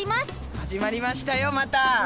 始まりましたよまた。